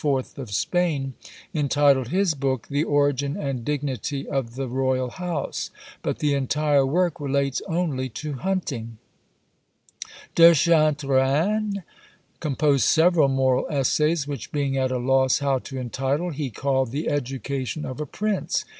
of Spain, entitled his book "The Origin and Dignity of the Royal House," but the entire work relates only to hunting. De Chantereine composed several moral essays, which being at a loss how to entitle, he called "The Education of a Prince."